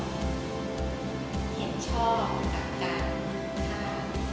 เห็นช่องกับการทำ